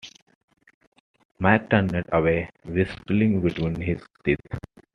Mike turned away, whistling between his teeth.